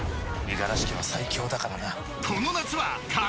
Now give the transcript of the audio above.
五十嵐家は最強だからな。